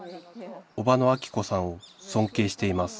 伯母のアキ子さんを尊敬しています